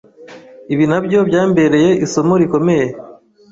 Ibi nabyo byambereye isomo rikomeye.